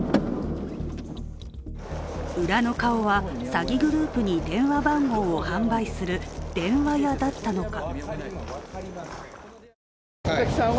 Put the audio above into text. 裏の顔は詐欺グループに電話番号を販売する電話屋だったのか。